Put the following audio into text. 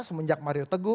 semenjak mario teguh